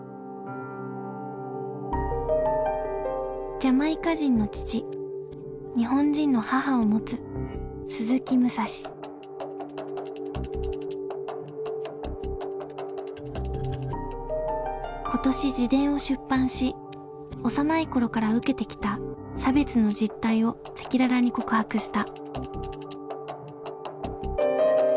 ジャマイカ人の父日本人の母を持つ今年自伝を出版し幼い頃から受けてきた差別の実態を赤裸々に告白した。